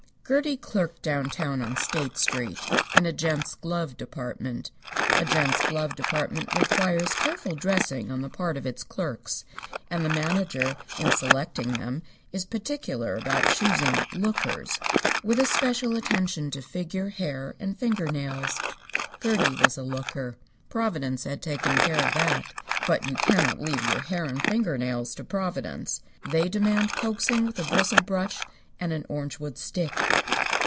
Gertie clerked downtown on State Street, in a gents' glove department. A gents' glove department requires careful dressing on the part of its clerks, and the manager, in selecting them, is particular about choosing "lookers," with especial attention to figure, hair, and finger nails. Gertie was a looker. Providence had taken care of that. But you cannot leave your hair and finger nails to Providence. They demand coaxing with a bristle brush and an orangewood stick.